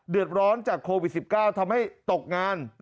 เดือดร้อนจากโควิด๑๙ทำให้ตกงาน